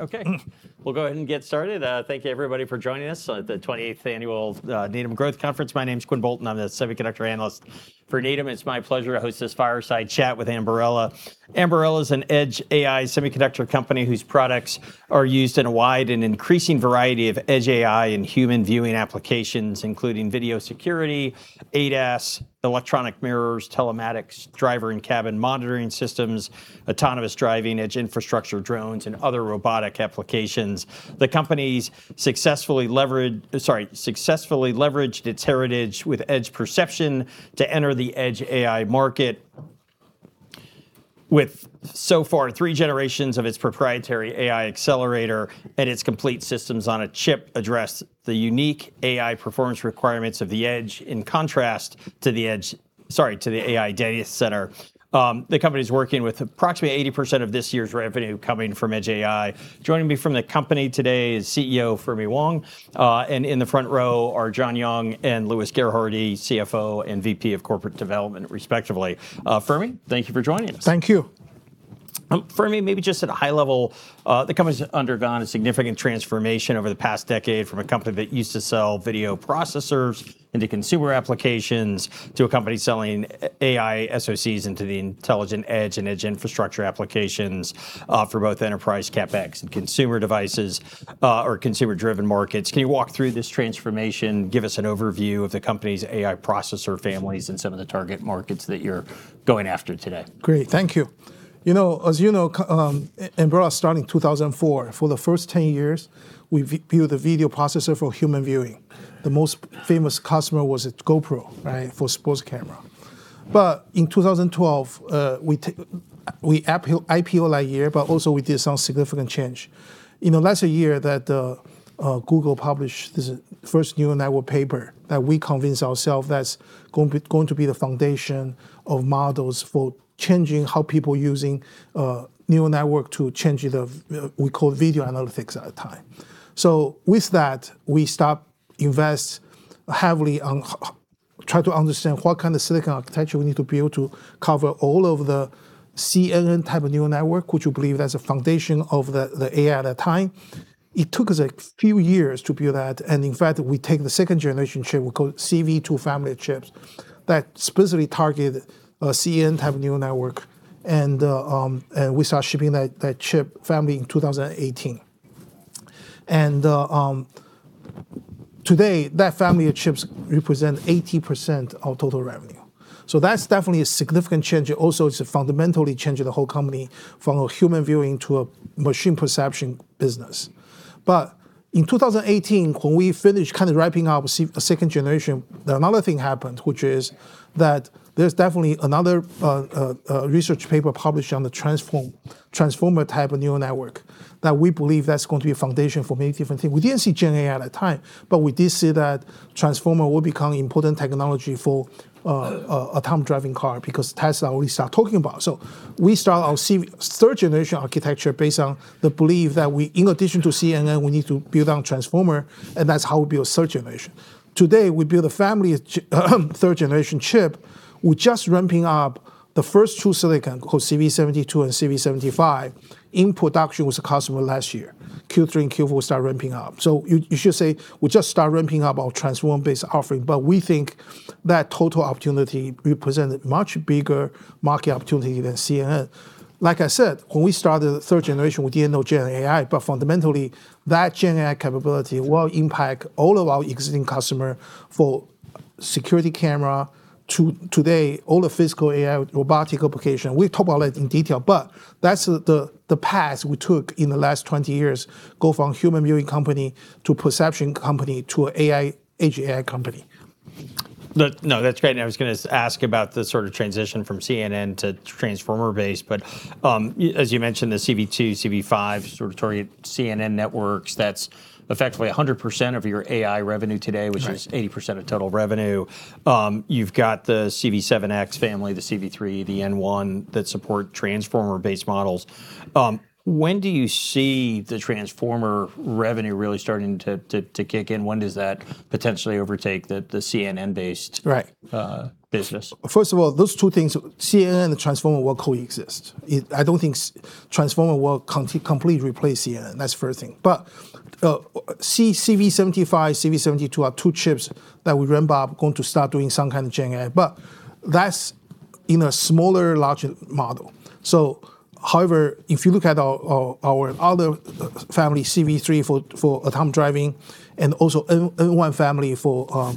Okay. Okay. We'll go ahead and get started. Thank you, everybody, for joining us at the 28th Annual Needham Growth Conference. My name's Quinn Bolton. I'm the Semiconductor Analyst for Needham. It's my pleasure to host this fireside chat with Ambarella. Ambarella is an edge AI semiconductor company whose products are used in a wide and increasing variety of edge AI and human viewing applications, including video security, ADAS, electronic mirrors, telematics, driver and cabin monitoring systems, autonomous driving, edge infrastructure, drones, and other robotic applications. The company's successfully leveraged its heritage with edge perception to enter the edge AI market with, so far, three generations of its proprietary AI accelerator and its complete systems on a chip address the unique AI performance requirements of the edge in contrast to the edge, sorry, to the AI data center. The company's working with approximately 80% of this year's revenue coming from edge AI. Joining me from the company today is CEO Fermi Wang, and in the front row are John Young and Louis Gerhardy, CFO and VP of Corporate Development, respectively. Fermi, thank you for joining us. Thank you. Fermi, maybe just at a high level, the company's undergone a significant transformation over the past decade from a company that used to sell video processors into consumer applications to a company selling AI SoCs into the intelligent edge and edge infrastructure applications for both enterprise CapEx and consumer devices or consumer-driven markets. Can you walk through this transformation? Give us an overview of the company's AI processor families and some of the target markets that you're going after today? Great. Thank you. You know, as you know, Ambarella started in 2004. For the first 10 years, we built a video processor for human viewing. The most famous customer was GoPro, right, for sports camera. But in 2012, we IPO that year, but also we did some significant change. In the last year that Google published this first neural network paper that we convinced ourselves that's going to be the foundation of models for changing how people are using neural network to change the, we call it video analytics at the time. So with that, we stopped investing heavily on trying to understand what kind of silicon architecture we need to build to cover all of the CNN type of neural network, which we believe that's the foundation of the AI at that time. It took us a few years to build that. In fact, we take the second generation chip, we call it CV2 family of chips that specifically target CNN type of neural network. We start shipping that chip family in 2018. Today, that family of chips represents 80% of total revenue. That's definitely a significant change. Also, it's fundamentally changed the whole company from a human viewing to a machine perception business. In 2018, when we finished kind of wrapping up a second generation, another thing happened, which is that there's definitely another research paper published on the transformer type of neural network that we believe that's going to be a foundation for many different things. We didn't see GenAI at that time, but we did see that transformer will become important technology for autonomous driving car because Tesla already started talking about it. So we start our third generation architecture based on the belief that we, in addition to CNN, we need to build on transformer, and that's how we build third generation. Today, we build a family third generation chip. We're just ramping up the first two silicon called CV72 and CV75 in production with the customer last year. Q3 and Q4 start ramping up. So you should say we just start ramping up our transformer-based offering, but we think that total opportunity represents a much bigger market opportunity than CNN. Like I said, when we started the third generation, we didn't know GenAI, but fundamentally that GenAI capability will impact all of our existing customers for security camera. Today, all the physical AI robotic applications we talk about that in detail, but that's the path we took in the last 20 years: go from human viewing company to perception company to an edge AI company. No, that's great. And I was going to ask about the sort of transition from CNN to transformer-based, but as you mentioned, the CV2, CV5 sort of target CNN networks, that's effectively 100% of your AI revenue today, which is 80% of total revenue. You've got the CV7X family, the CV3, the N1 that support transformer-based models. When do you see the transformer revenue really starting to kick in? When does that potentially overtake the CNN-based business? First of all, those two things, CNN and the transformer will coexist. I don't think transformer will completely replace CNN. That's the first thing. CV75, CV72 are two chips that we remember are going to start doing some kind of GenAI, but that's in a smaller large model. However, if you look at our other family, CV3 for autonomous driving and also N1 family for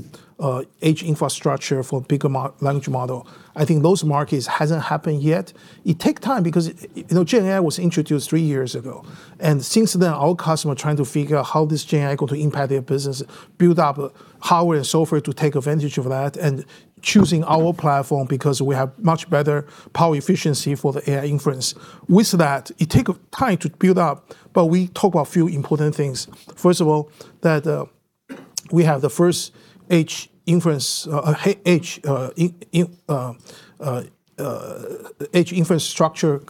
edge infrastructure for bigger language model, I think those markets haven't happened yet. It takes time because GenAI was introduced three years ago. Since then, our customers are trying to figure out how this GenAI is going to impact their business, build up hardware and software to take advantage of that and choosing our platform because we have much better power efficiency for the AI inference. With that, it takes time to build up, but we talk about a few important things. First of all, that we have the first edge inference, edge infrastructure,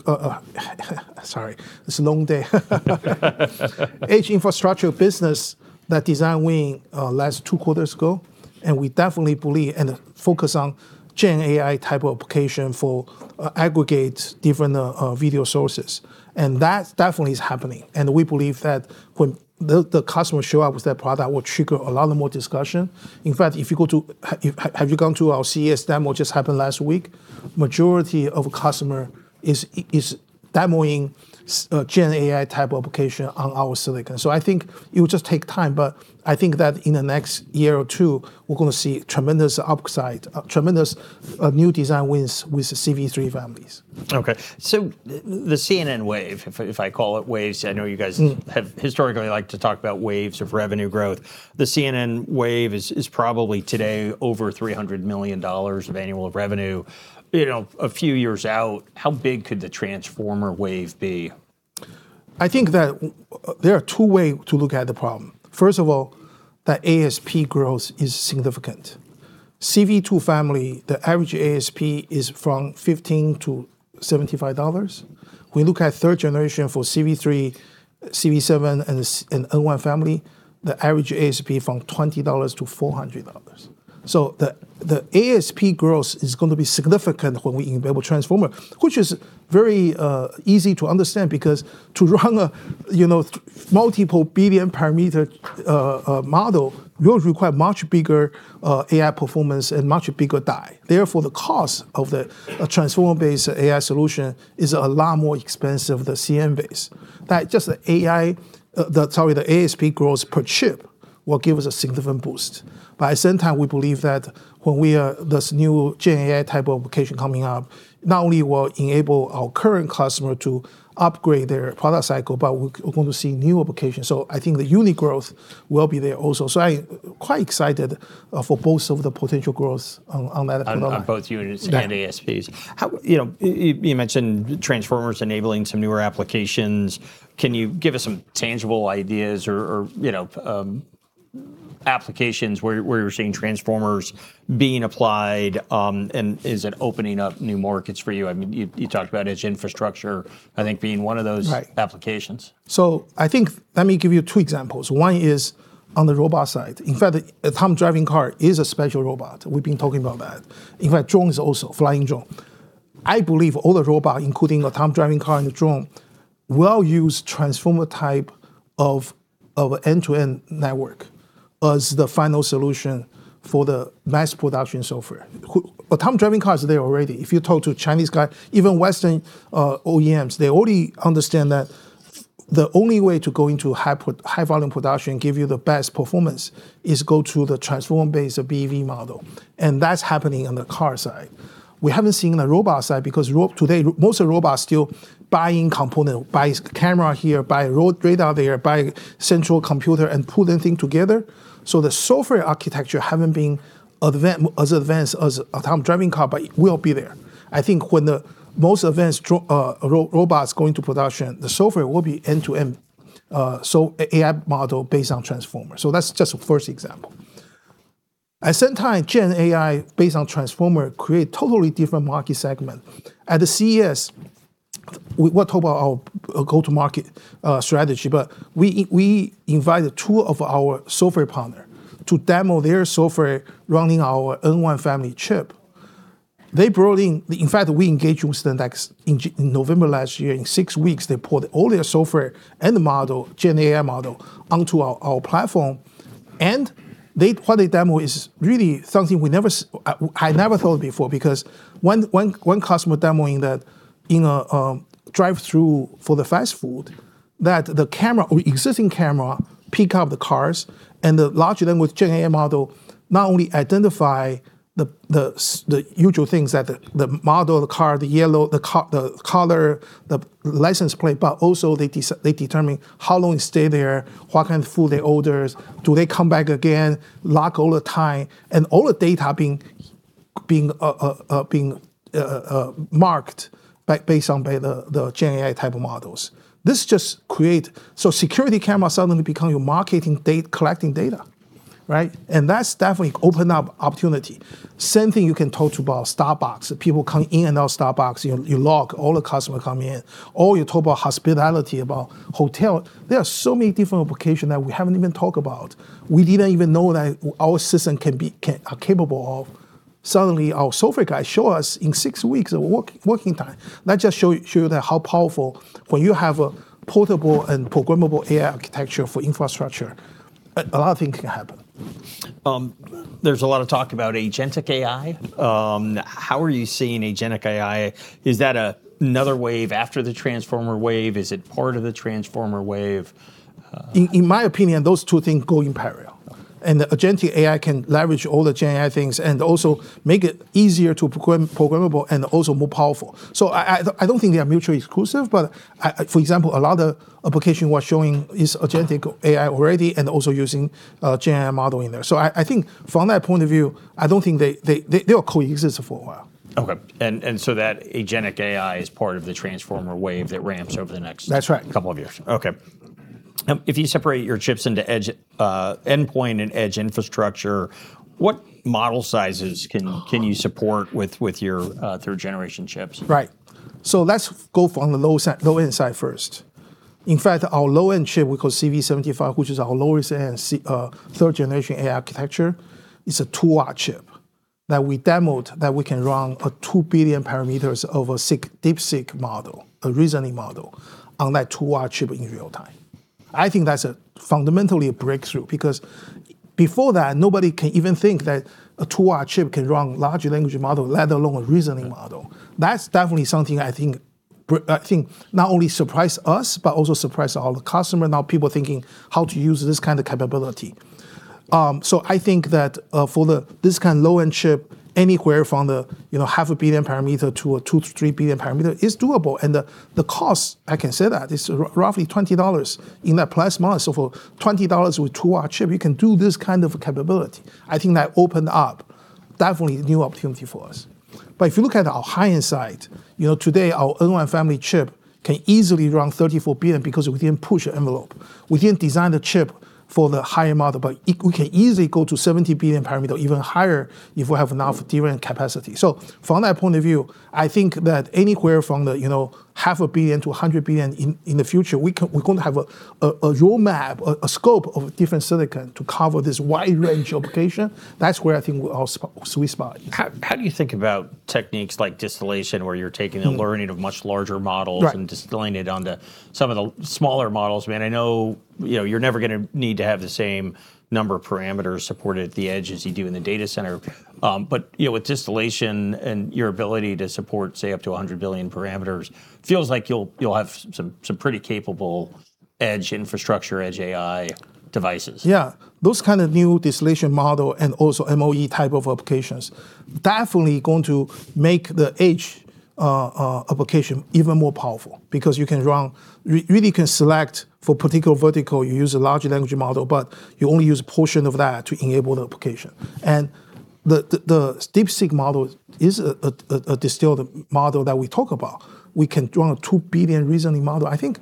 sorry, it's a long day. Edge infrastructure business that design win last two quarters ago, and we definitely believe and focus on GenAI type of application for aggregate different video sources. And that definitely is happening. And we believe that when the customer shows up with that product, it will trigger a lot more discussion. In fact, if you go to, have you gone to our CES demo just happened last week? Majority of customers is demoing GenAI type application on our silicon. So I think it will just take time, but I think that in the next year or two, we're going to see tremendous upside, tremendous new design wins with the CV3 families. Okay. So the CNN wave, if I call it waves, I know you guys have historically liked to talk about waves of revenue growth. The CNN wave is probably today over $300 million of annual revenue. A few years out, how big could the transformer wave be? I think that there are two ways to look at the problem. First of all, that ASP growth is significant. CV2 family, the average ASP is from $15-$75. We look at third generation for CV3, CV7, and N1 family, the average ASP from $20-$400. So the ASP growth is going to be significant when we enable transformer, which is very easy to understand because to run a multiple billion parameter model will require much bigger AI performance and much bigger die. Therefore, the cost of the transformer-based AI solution is a lot more expensive than CNN base. The ASP growth per chip will give us a significant boost. But at the same time, we believe that when we have this new GenAI type of application coming up, not only will it enable our current customer to upgrade their product cycle, but we're going to see new applications. So I think the unique growth will be there also. So I'm quite excited for both of the potential growths on that. On both units and ASPs. You mentioned transformers enabling some newer applications. Can you give us some tangible ideas or applications where you're seeing transformers being applied? And is it opening up new markets for you? I mean, you talked about edge infrastructure, I think being one of those applications. So, I think, let me give you two examples. One is on the robot side. In fact, autonomous driving car is a special robot. We've been talking about that. In fact, drones also, flying drone. I believe all the robots, including autonomous driving car and the drone, will use transformer type of end-to-end network as the final solution for the mass production software. Autonomous driving cars are there already. If you talk to Chinese guys, even Western OEMs, they already understand that the only way to go into high-volume production, give you the best performance, is go to the transformer-based BEV model. And that's happening on the car side. We haven't seen on the robot side because today, most of the robots still buy in components, buy camera here, buy radar there, buy central computer and pull the thing together. The software architecture hasn't been as advanced as autonomous driving car, but it will be there. I think when most advanced robots go into production, the software will be end-to-end AI model based on transformer. That's just a first example. At the same time, GenAI based on transformer creates a totally different market segment. At the CES, we were talking about our go-to-market strategy, but we invited two of our software partners to demo their software running our N1 family chip. They brought in. In fact, we engaged with them in November last year. In six weeks, they put all their software and the model, GenAI model, onto our platform. And what they demo is really something I never thought of before because one customer demoing that in a drive-thru for the fast food, that the camera, existing camera, picked up the cars and the large language GenAI model not only identifies the usual things that the model, the car, the color, the license plate, but also they determine how long it stayed there, what kind of food they ordered, do they come back again? Log all the time, and all the data being marked based on the GenAI type of models. This just creates so security cameras suddenly become your marketing collecting data, right? And that's definitely opened up opportunity. Same thing you can talk about Starbucks. People come in and out of Starbucks. You log all the customers come in. Or you talk about hospitality, about hotel. There are so many different applications that we haven't even talked about. We didn't even know that our system can be capable of. Suddenly our software guys show us in six weeks of working time. That just shows you how powerful when you have a portable and programmable AI architecture for infrastructure, a lot of things can happen. There's a lot of talk about agentic AI. How are you seeing agentic AI? Is that another wave after the transformer wave? Is it part of the transformer wave? In my opinion, those two things go in parallel, and agentic AI can leverage all the GenAI things and also make it easier to programmable and also more powerful, so I don't think they are mutually exclusive, but for example, a lot of applications were showing this agentic AI already and also using GenAI model in there, so I think from that point of view, I don't think they will coexist for a while. Okay. And so that agentic AI is part of the transformer wave that ramps over the next couple of years? That's right. Okay. If you separate your chips into endpoint and edge infrastructure, what model sizes can you support with your third generation chips? Right. So let's go from the low-end side first. In fact, our low-end chip, we call CV75, which is our lowest-end third generation AI architecture, is a two-watt chip that we demoed, that we can run 2 billion parameters of a DeepSeek model, a reasoning model on that two-watt chip in real time. I think that's fundamentally a breakthrough because before that, nobody can even think that a two-watt chip can run large language models, let alone a reasoning model. That's definitely something I think not only surprised us, but also surprised all the customers. Now people are thinking how to use this kind of capability. So I think that for this kind of low-end chip, anywhere from 500 million parameters to 2-3 billion parameters is doable. And the cost, I can say that, is roughly $20 in that plus-minus. So for $20 with a 2 W chip, you can do this kind of capability. I think that opened up definitely new opportunity for us. But if you look at our high-end side, today our N1 family chip can easily run 34 billion because we didn't push the envelope. We didn't design the chip for the higher model, but we can easily go to 70 billion parameter, even higher if we have enough different capacity. So from that point of view, I think that anywhere from the half a billion to 100 billion in the future, we're going to have a roadmap, a scope of different silicon to cover this wide range of application. That's where I think we spot. How do you think about techniques like distillation, where you're taking the learning of much larger models and distilling it onto some of the smaller models? I mean, I know you're never going to need to have the same number of parameters supported at the edge as you do in the data center. But with distillation and your ability to support, say, up to 100 billion parameters, it feels like you'll have some pretty capable edge infrastructure, edge AI devices. Yeah. Those kinds of new distillation model and also MoE type of applications definitely are going to make the edge application even more powerful because you can run, really can select for a particular vertical, you use a large language model, but you only use a portion of that to enable the application. And the DeepSeek model is a distilled model that we talk about. We can run a two billion reasoning model. I think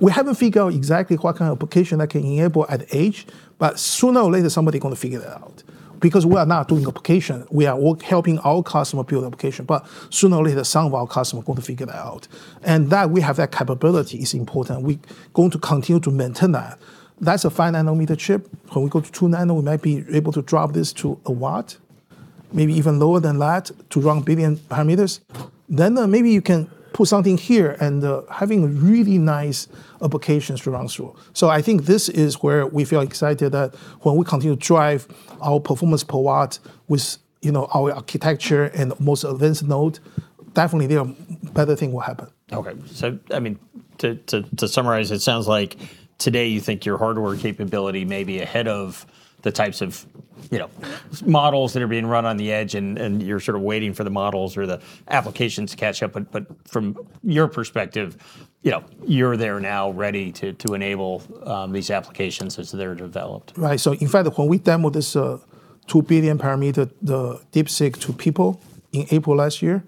we haven't figured out exactly what kind of application that can enable at edge, but sooner or later, somebody is going to figure that out because we are not doing application. We are helping our customer build application, but sooner or later, some of our customers are going to figure that out. And that we have that capability is important. We're going to continue to maintain that. That's a 5 nm chip. When we go to 2 nm, we might be able to drop this to a watt, maybe even lower than that to run billion parameters. Then maybe you can put something here and having really nice applications to run through. So I think this is where we feel excited that when we continue to drive our performance per watt with our architecture and most advanced node, definitely there are better things will happen. Okay. So I mean, to summarize, it sounds like today you think your hardware capability may be ahead of the types of models that are being run on the edge and you're sort of waiting for the models or the applications to catch up. But from your perspective, you're there now ready to enable these applications as they're developed. Right. So in fact, when we demoed this two billion parameter DeepSeek to people in April last year,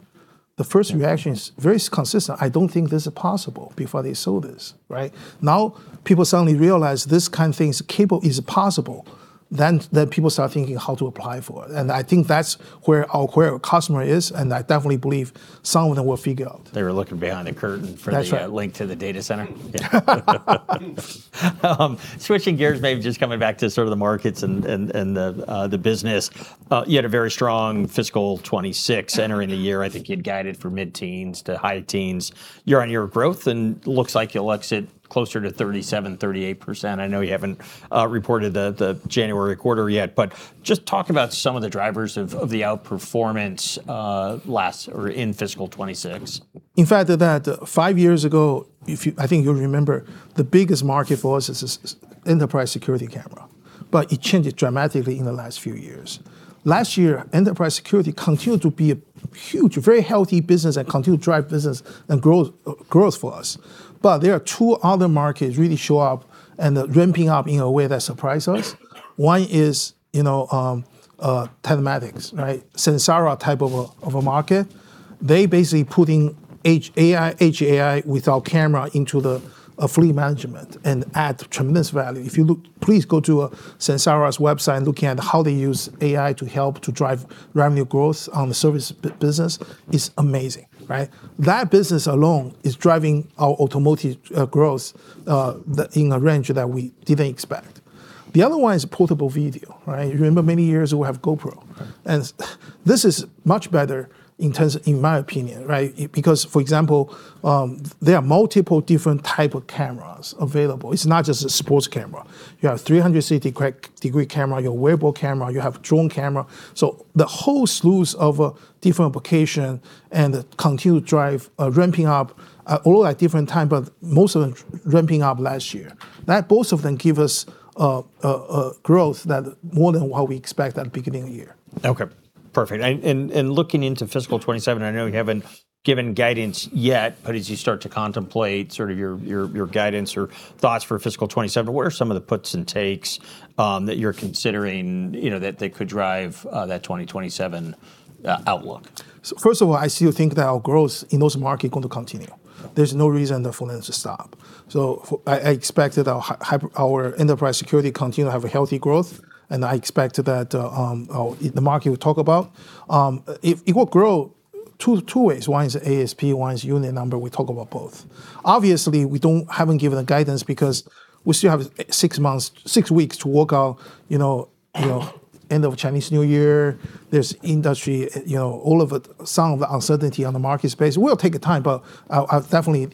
the first reaction is very consistent. I don't think this is possible before they saw this, right? Now people suddenly realize this kind of thing is capable, is possible. Then people start thinking how to apply for it. And I think that's where our customer is, and I definitely believe some of them will figure out. They were looking behind the curtain for that link to the data center. Switching gears, maybe just coming back to sort of the markets and the business. You had a very strong fiscal 2026 entering the year. I think you'd guide it for mid-teens to high-teens. You're on your growth and looks like you'll exit closer to 37%-38%. I know you haven't reported the January quarter yet, but just talk about some of the drivers of the outperformance last or in fiscal 2026. In fact, five years ago, I think you'll remember the biggest market for us is enterprise security camera, but it changed dramatically in the last few years. Last year, enterprise security continued to be a huge, very healthy business and continued to drive business and growth for us. But there are two other markets really show up and ramping up in a way that surprised us. One is telematics, right? Samsara type of a market. They basically put in edge AI without camera into the fleet management and add tremendous value. If you please go to Samsara's website and look at how they use AI to help to drive revenue growth on the service business, it's amazing, right? That business alone is driving our automotive growth in a range that we didn't expect. The other one is portable video, right? You remember many years ago we had GoPro. This is much better in terms of, in my opinion, right? Because, for example, there are multiple different types of cameras available. It's not just a sports camera. You have 360-degree camera, a wearable camera, you have drone camera. So the whole slew of different applications and continue to drive ramping up all of that different time, but most of them ramping up last year. That both of them give us growth that more than what we expected at the beginning of the year. Okay. Perfect. And looking into fiscal 2027, I know you haven't given guidance yet, but as you start to contemplate sort of your guidance or thoughts for fiscal 2027, what are some of the puts and takes that you're considering that could drive that 2027 outlook? First of all, I still think that our growth in those markets is going to continue. There's no reason for them to stop, so I expect that our enterprise security continues to have a healthy growth, and I expect that the market will talk about. It will grow two ways. One is ASP, one is unit number. We talk about both. Obviously, we haven't given the guidance because we still have six months, six weeks to work out end of Chinese New Year. There's industry, all of some of the uncertainty on the market space. We'll take the time, but definitely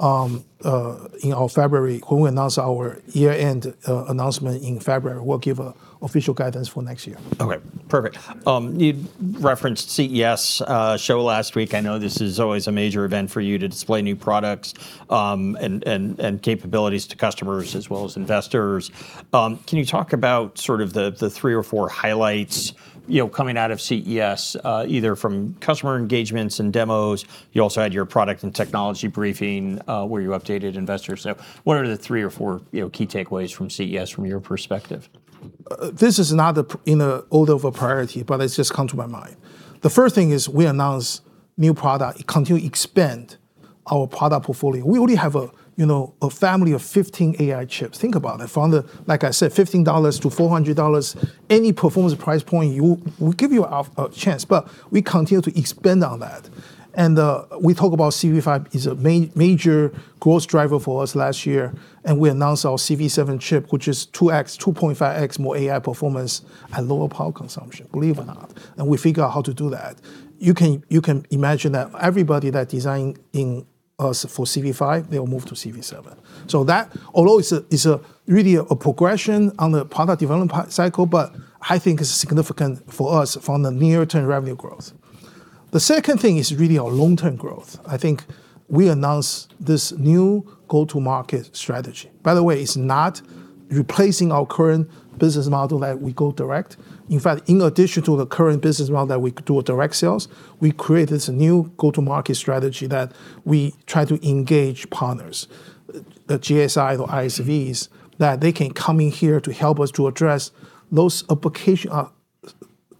in our February, when we announce our year-end announcement in February, we'll give official guidance for next year. Okay. Perfect. You referenced CES show last week. I know this is always a major event for you to display new products and capabilities to customers as well as investors. Can you talk about sort of the three or four highlights coming out of CES, either from customer engagements and demos? You also had your product and technology briefing where you updated investors. So what are the three or four key takeaways from CES from your perspective? This is not the order of priority, but it just comes to my mind. The first thing is we announced new product. It continues to expand our product portfolio. We already have a family of 15 AI chips. Think about it. From, like I said, $15-$400, any performance price point, we give you a chance, but we continue to expand on that, and we talk about CV5 is a major growth driver for us last year, and we announced our CV7 chip, which is 2x, 2.5x more AI performance and lower power consumption, believe it or not, and we figured out how to do that. You can imagine that everybody that designed us for CV5, they will move to CV7, so that, although it's really a progression on the product development cycle, but I think it's significant for us from the near-term revenue growth. The second thing is really our long-term growth. I think we announced this new go-to-market strategy. By the way, it's not replacing our current business model that we go direct. In fact, in addition to the current business model that we do direct sales, we created a new go-to-market strategy that we try to engage partners, GSIs or ISVs, that they can come in here to help us to address those applications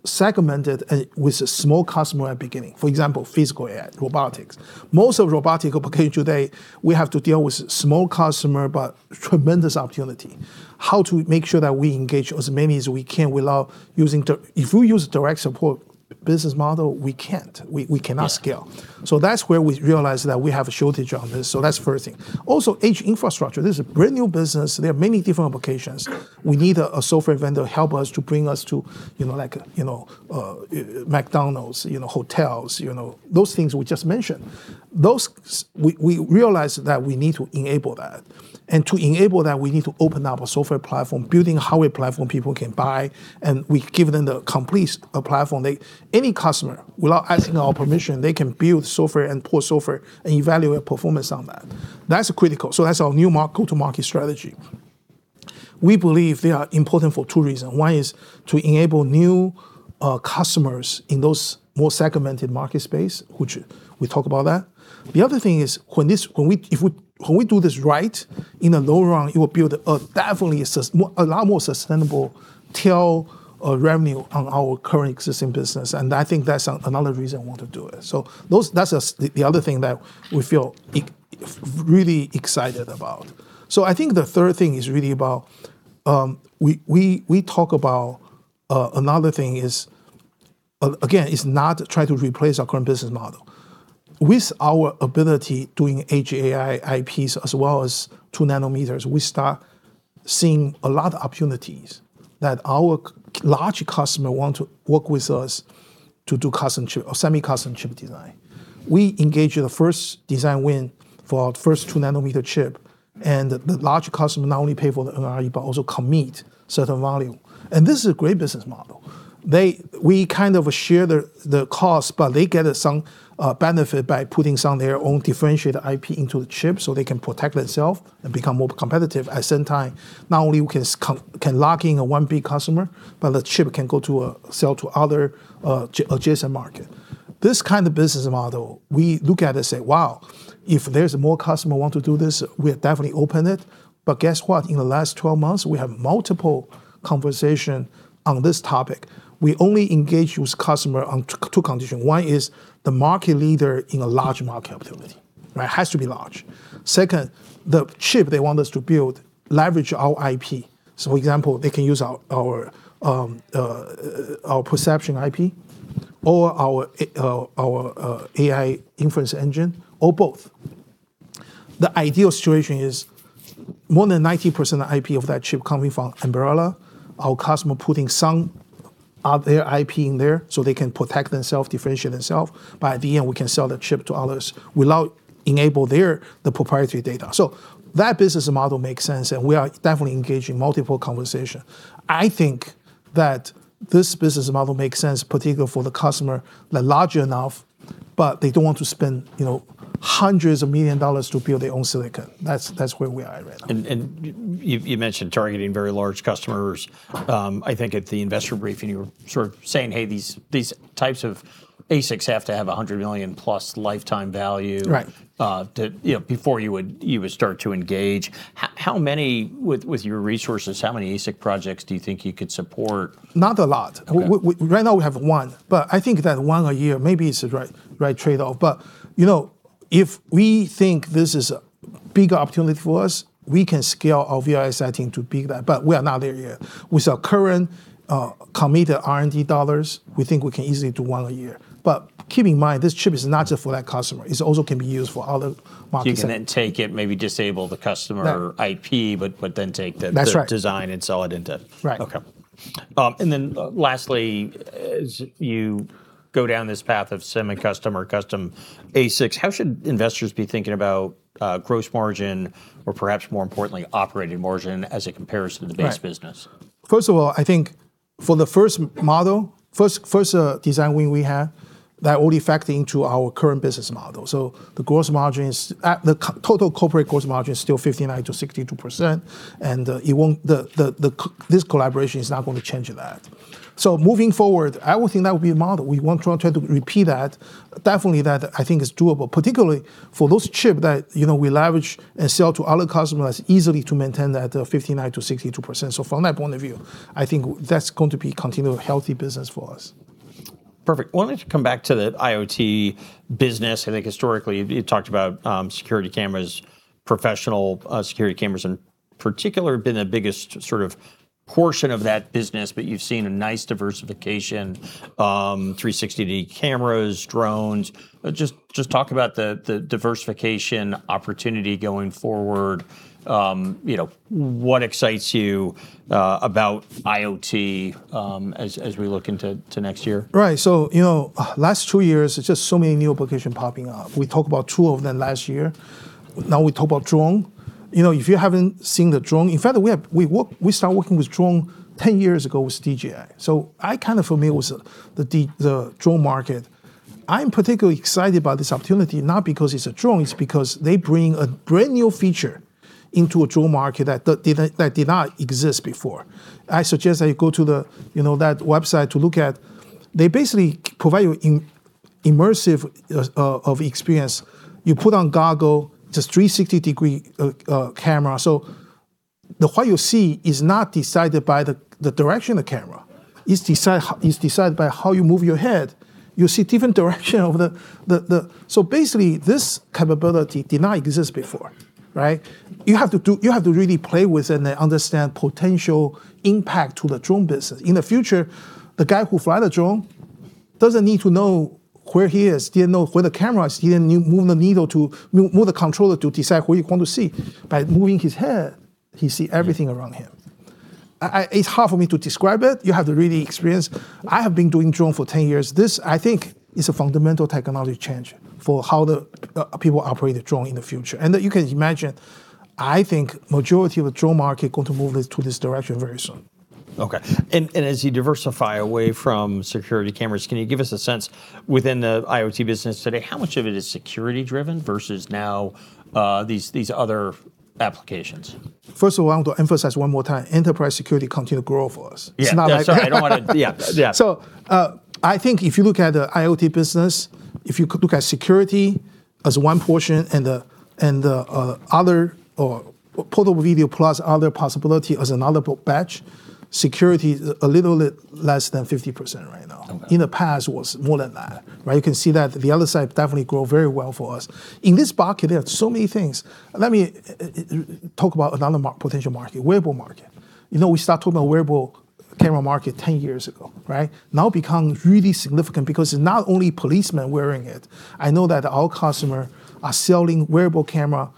segmented with a small customer at the beginning. For example, physical AI, robotics. Most of robotic applications today, we have to deal with small customers, but tremendous opportunity. How to make sure that we engage as many as we can without using direct support business model, we can't. We cannot scale. So that's where we realized that we have a shortage on this. So that's the first thing. Also, edge infrastructure. This is a brand new business. There are many different applications. We need a software vendor to help us to bring us to McDonald's, hotels, those things we just mentioned. We realized that we need to enable that, and to enable that, we need to open up a software platform, building a hardware platform people can buy, and we give them the complete platform. Any customer, without asking our permission, they can build software and pull software and evaluate performance on that. That's critical, so that's our new go-to-market strategy. We believe they are important for two reasons. One is to enable new customers in those more segmented market space, which we talk about that. The other thing is when we do this right, in the long run, it will build definitely a lot more sustainable tail revenue on our current existing business, and I think that's another reason we want to do it. So that's the other thing that we feel really excited about. So I think the third thing is really about another thing. Again, it's not trying to replace our current business model. With our ability doing edge AI, IPs, as well as 2 nm, we start seeing a lot of opportunities that our large customers want to work with us to do custom chip or semi-custom chip design. We engage the first design win for our first 2 nm chip, and the large customers not only pay for the NRE, but also commit certain value. And this is a great business model. We kind of share the cost, but they get some benefit by putting some of their own differentiated IP into the chip so they can protect themselves and become more competitive. At the same time, not only can we lock in a one big customer, but the chip can go to sell to other adjacent markets. This kind of business model, we look at it and say, wow, if there's more customers who want to do this, we'll definitely open it. But guess what? In the last 12 months, we have multiple conversations on this topic. We only engage with customers on two conditions. One is the market leader in a large market opportunity, right? Has to be large. Second, the chip they want us to build leverages our IP. So for example, they can use our perception IP or our AI inference engine or both. The ideal situation is more than 90% of the IP of that chip coming from Ambarella. Our customers are putting some of their IP in there so they can protect themselves, differentiate themselves. But at the end, we can sell the chip to others without enabling their proprietary data. So that business model makes sense, and we are definitely engaging multiple conversations. I think that this business model makes sense, particularly for the customer that is large enough, but they don't want to spend hundreds of millions of dollars to build their own silicon. That's where we are right now. You mentioned targeting very large customers. I think at the investor briefing, you were sort of saying, hey, these types of ASICs have to have $100 million plus lifetime value before you would start to engage. How many, with your resources, how many ASIC projects do you think you could support? Not a lot. Right now we have one, but I think that one a year, maybe it's the right trade-off. But if we think this is a big opportunity for us, we can scale our ASIC to be that. But we are not there yet. With our current committed R&D dollars, we think we can easily do one a year. But keep in mind, this chip is not just for that customer. It also can be used for other markets. So you can then take it, maybe disable the customer IP, but then take the design and sell it into it? That's right. Okay. And then lastly, as you go down this path of semi-custom, custom ASICs, how should investors be thinking about gross margin or perhaps more importantly, operating margin as it compares to the base business? First of all, I think for the first model, first design win we had, that already factored into our current business model. So the gross margin, the total corporate gross margin is still 59%-62%, and this collaboration is not going to change that. So moving forward, I would think that would be a model. We want to try to repeat that. Definitely that I think is doable, particularly for those chips that we leverage and sell to other customers easily to maintain that 59%-62%. So from that point of view, I think that's going to be continuing a healthy business for us. Perfect. I wanted to come back to the IoT business. I think historically you talked about security cameras. Professional security cameras in particular have been the biggest sort of portion of that business, but you've seen a nice diversification, 360-degree cameras, drones. Just talk about the diversification opportunity going forward. What excites you about IoT as we look into next year? Right. So last two years, just so many new applications popping up. We talked about two of them last year. Now we talk about drone. If you haven't seen the drone, in fact, we started working with drone 10 years ago with DJI. So I'm kind of familiar with the drone market. I'm particularly excited about this opportunity, not because it's a drone, it's because they bring a brand new feature into a drone market that did not exist before. I suggest that you go to that website to look at. They basically provide you an immersive experience. You put on goggles, it's a 360-degree camera. So what you see is not decided by the direction of the camera. It's decided by how you move your head. You see different directions of the... So basically, this capability did not exist before, right? You have to really play with it and understand the potential impact to the drone business. In the future, the guy who flies the drone doesn't need to know where he is, he didn't know where the camera is, he didn't need to move the needle to move the controller to decide where he wants to see. By moving his head, he sees everything around him. It's hard for me to describe it. You have to really experience. I have been doing drone for 10 years. This, I think, is a fundamental technology change for how people operate the drone in the future, and you can imagine, I think the majority of the drone market is going to move to this direction very soon. Okay. And as you diversify away from security cameras, can you give us a sense within the IoT business today, how much of it is security-driven versus now these other applications? First of all, I want to emphasize one more time, enterprise security continues to grow for us. Yeah, sorry, I don't want to... So I think if you look at the IoT business, if you look at security as one portion and the other portable video plus other possibility as another batch, security is a little bit less than 50% right now. In the past, it was more than that. You can see that the other side definitely grows very well for us. In this market, there are so many things. Let me talk about another potential market, wearable market. We started talking about the wearable camera market 10 years ago, right? Now it's become really significant because it's not only policemen wearing it. I know that our customers are selling wearable cameras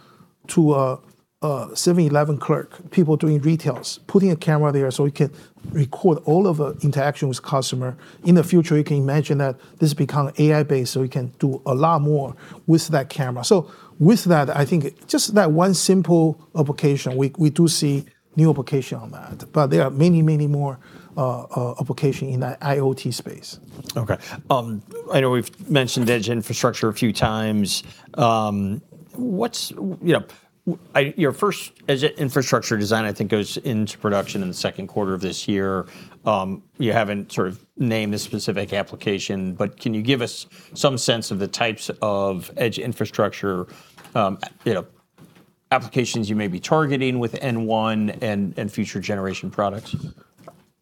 to a 7-Eleven clerk, people doing retails, putting a camera there so we can record all of the interactions with customers. In the future, you can imagine that this has become AI-based, so we can do a lot more with that camera. So with that, I think just that one simple application, we do see new applications on that. But there are many, many more applications in the IoT space. Okay. I know we've mentioned edge infrastructure a few times. Your first edge infrastructure design, I think, goes into production in the second quarter of this year. You haven't sort of named a specific application, but can you give us some sense of the types of edge infrastructure applications you may be targeting with N1 and future generation products?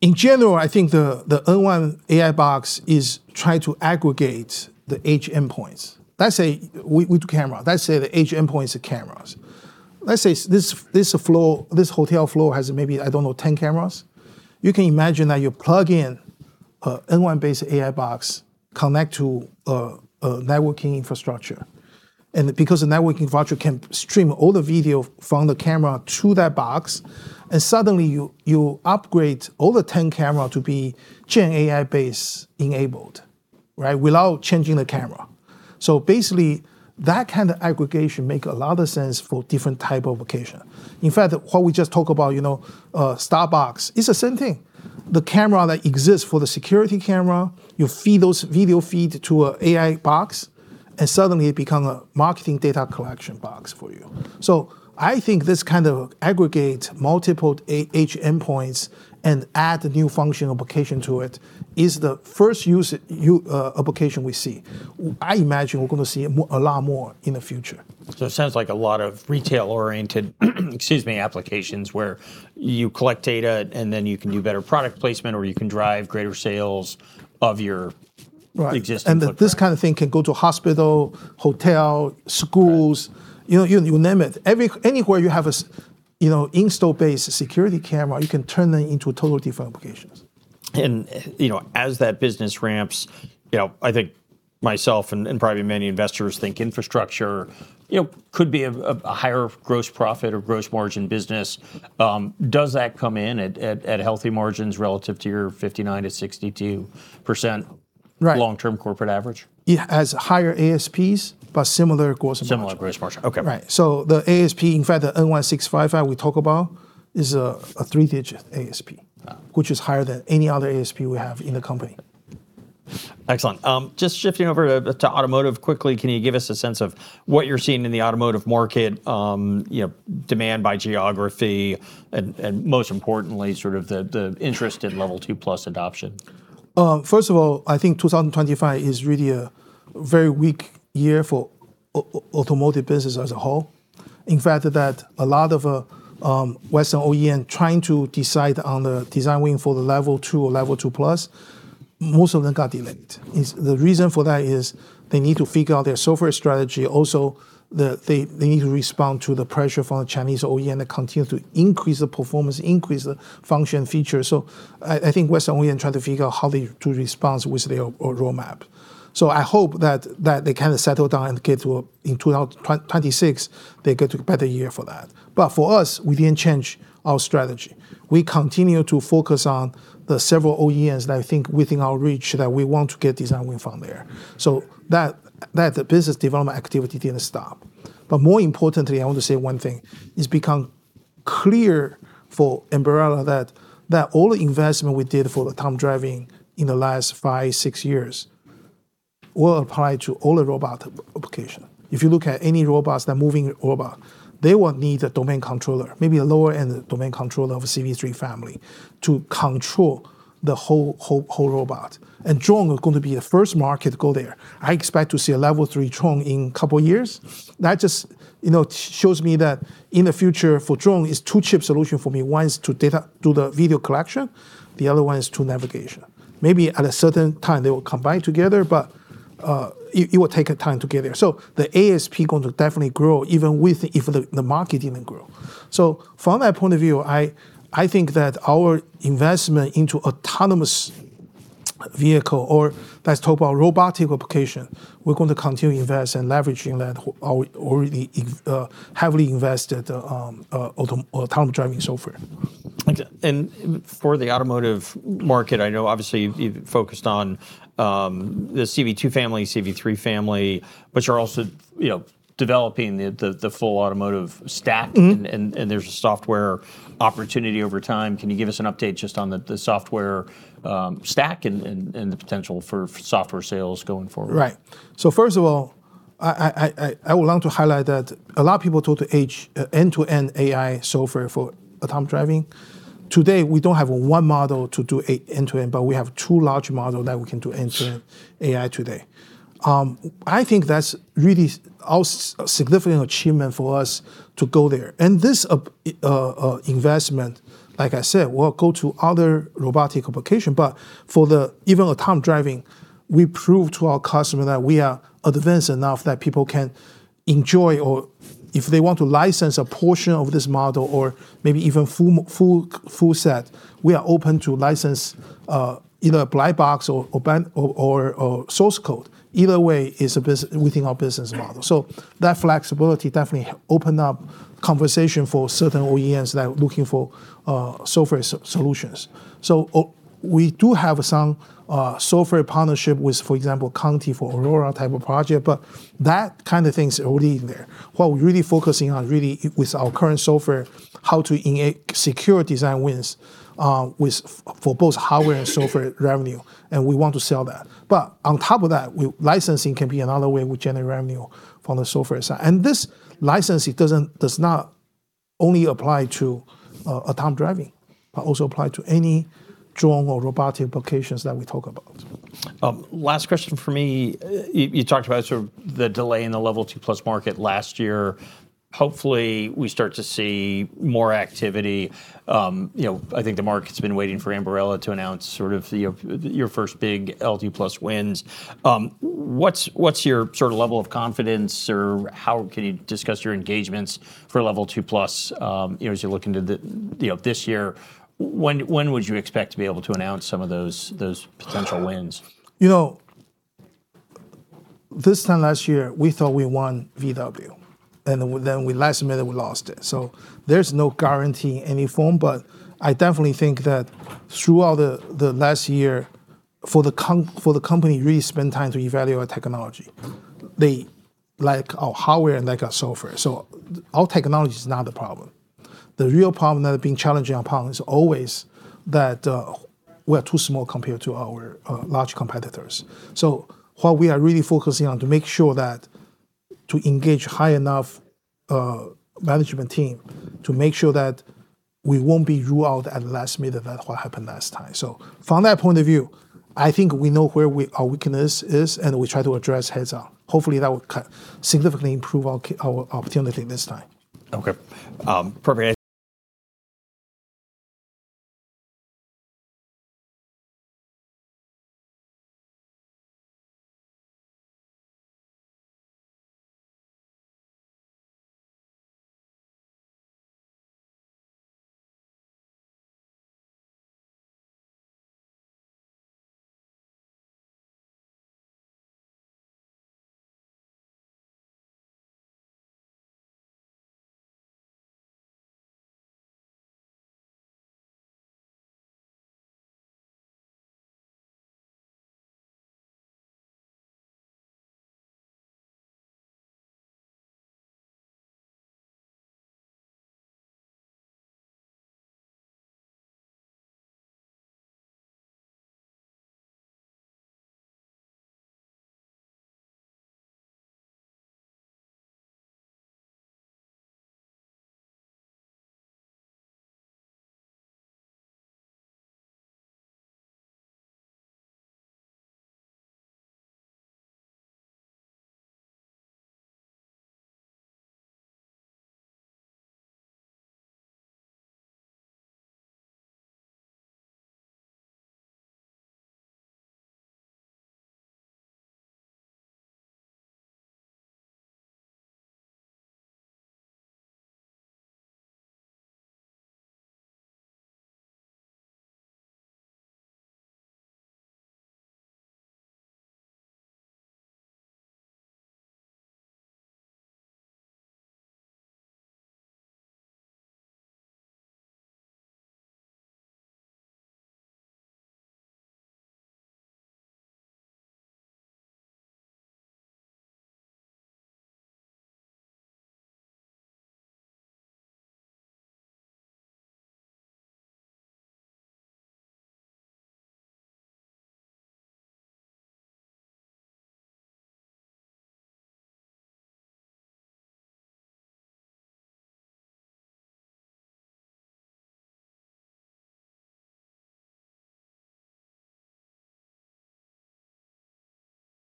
In general, I think the N1 AI box is trying to aggregate the edge endpoints. Let's say we do cameras. Let's say the edge endpoints are cameras. Let's say this hotel floor has maybe, I don't know, 10 cameras. You can imagine that you plug in an N1-based AI box, connect to a networking infrastructure, and because the networking infrastructure can stream all the video from the camera to that box, and suddenly you upgrade all the 10 cameras to be GenAI-based enabled, right, without changing the camera. So basically, that kind of aggregation makes a lot of sense for different types of applications. In fact, what we just talked about, you know, Starbucks, it's the same thing. The camera that exists for the security camera, you feed those video feeds to an AI box, and suddenly it becomes a marketing data collection box for you. So, I think this kind of aggregates multiple edge endpoints and adds a new functional application to it is the first application we see. I imagine we're going to see a lot more in the future. So it sounds like a lot of retail-oriented, excuse me, applications where you collect data and then you can do better product placement or you can drive greater sales of your existing products. Right. And this kind of thing can go to hospitals, hotels, schools, you name it. Anywhere you have an installed-base security camera, you can turn them into totally different applications. And as that business ramps, I think myself and probably many investors think infrastructure could be a higher gross profit or gross margin business. Does that come in at healthy margins relative to your 59%-62% long-term corporate average? It has higher ASPs, but similar gross margin. Similar gross margin. Okay. Right. So the ASP, in fact, the N1-665 we talked about is a three-digit ASP, which is higher than any other ASP we have in the company. Excellent. Just shifting over to automotive quickly, can you give us a sense of what you're seeing in the automotive market, demand by geography, and most importantly, sort of the interest in Level 2+ adoption? First of all, I think 2025 is really a very weak year for automotive business as a whole. In fact, a lot of Western OEMs trying to decide on the design win for the Level 2 or Level 2+, most of them got delayed. The reason for that is they need to figure out their software strategy. Also, they need to respond to the pressure from the Chinese OEM that continues to increase the performance, increase the function and features. So I think Western OEMs are trying to figure out how to respond with their roadmap. So I hope that they kind of settle down and get to, in 2026, they get to a better year for that. But for us, we didn't change our strategy. We continue to focus on the several OEMs that I think are within our reach that we want to get design wins from there, so that business development activity didn't stop, but more importantly, I want to say one thing. It's become clear for Ambarella that all the investment we did for the autonomous driving in the last five, six years will apply to all the robot applications. If you look at any robots that are moving robots, they will need a domain controller, maybe a lower-end domain controller of a CV3 family to control the whole robot, and drones are going to be the first market to go there. I expect to see a level three drone in a couple of years. That just shows me that in the future for drones, it's two-chip solutions for me. One is to do the video collection, the other one is to navigation. Maybe at a certain time, they will combine together, but it will take time to get there. So the ASP is going to definitely grow even if the market didn't grow. So from that point of view, I think that our investment into autonomous vehicles or let's talk about robotic applications, we're going to continue to invest and leverage in that already heavily invested autonomous driving software. For the automotive market, I know obviously you've focused on the CV2 family, CV3 family, but you're also developing the full automotive stack, and there's a software opportunity over time. Can you give us an update just on the software stack and the potential for software sales going forward? Right. So first of all, I would like to highlight that a lot of people talked about end-to-end AI software for autonomous driving. Today, we don't have one model to do end-to-end, but we have two large models that we can do end-to-end AI today. I think that's really a significant achievement for us to go there. And this investment, like I said, will go to other robotic applications. But for even autonomous driving, we proved to our customers that we are advanced enough that people can enjoy, or if they want to license a portion of this model or maybe even a full set, we are open to license either a black box or source code. Either way, it's within our business model. So that flexibility definitely opened up conversation for certain OEMs that are looking for software solutions. So we do have some software partnership with, for example, Conti for Aurora type of project, but that kind of thing is already in there. What we're really focusing on with our current software is how to secure design wins for both hardware and software revenue, and we want to sell that. But on top of that, licensing can be another way we generate revenue from the software side. And this licensing does not only apply to autonomous driving, but also applies to any drone or robotic applications that we talk about. Last question for me. You talked about the delay in the Level 2+ market last year. Hopefully, we start to see more activity. I think the market's been waiting for Ambarella to announce sort of your first big Level 2+ wins. What's your sort of level of confidence, or how can you discuss your engagements for Level 2+ as you're looking to this year? When would you expect to be able to announce some of those potential wins? You know, this time last year, we thought we won VW, and then last minute we lost it. So there's no guarantee in any form, but I definitely think that throughout the last year, for the company to really spend time to evaluate our technology, they like our hardware and like our software. So our technology is not the problem. The real problem that has been challenging upon us is always that we are too small compared to our large competitors. So what we are really focusing on is to make sure that to engage high enough management team to make sure that we won't be ruled out at the last minute of what happened last time. So from that point of view, I think we know where our weakness is, and we try to address heads-on. Hopefully, that will significantly improve our opportunity this time. Okay. Perfect.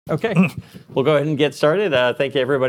Okay. We'll go ahead and get started. Thank you everyone.